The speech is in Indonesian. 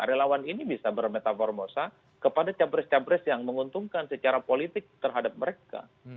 relawan ini bisa bermetaformosa kepada capres capres yang menguntungkan secara politik terhadap mereka